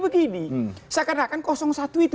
begini seakan akan satu itu